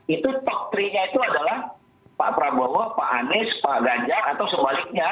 itu top tiga nya itu adalah pak prabowo pak anies pak ganjar atau sebaliknya